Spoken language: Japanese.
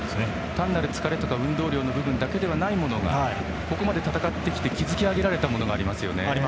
単なる疲れとか運動量の部分だけではないものがここまで戦ってきて築き上げられたものがありますよね。